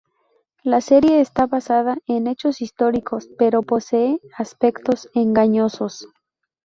La serie está basada en hechos históricos, pero posee aspectos engañosos.